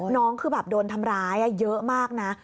น้องคือแบบโดนทำร้ายเยอะมากนะ